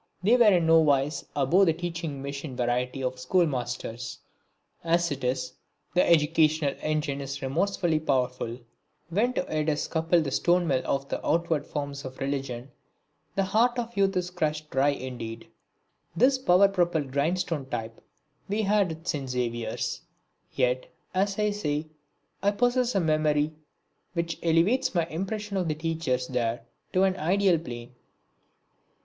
They were in nowise above the teaching machine variety of school masters. As it is, the educational engine is remorselessly powerful; when to it is coupled the stone mill of the outward forms of religion the heart of youth is crushed dry indeed. This power propelled grindstone type we had at St. Xavier's. Yet, as I say, I possess a memory which elevates my impression of the teachers there to an ideal plane.